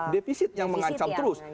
defisit yang mengancam terus